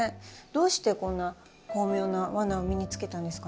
どうしてこんな巧妙なワナを身につけたんですかね？